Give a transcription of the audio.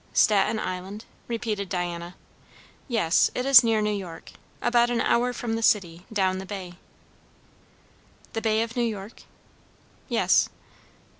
"Staten Island?" repeated Diana. "Yes. It is near New York; about an hour from the city, down the bay." "The bay of New York?" "Yes."